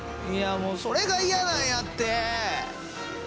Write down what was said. いやもうそれが嫌なんやって！